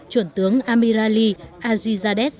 chuẩn tướng amirali ajizadeh